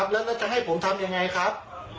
แล้วจะให้ผมทำอย่างไรครับ